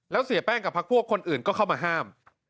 แล้วเสียแป้งกับพักพวกคนอื่นก็เข้ามาห้าม